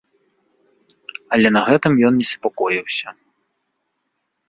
Але на гэтым ён не супакоіўся.